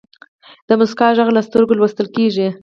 د موسکا ږغ له سترګو لوستل کېږي.